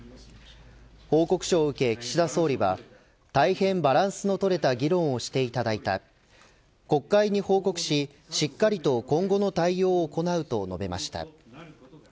報告書を受け、岸田総理は大変バランスのとれた議論をしていただいた国会に報告ししっかりと今後の対応を行うと述べました。